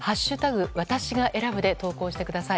私が選ぶ」で投稿してください。